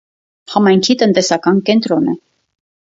Համայնքի տնտեսական կենտրոնը։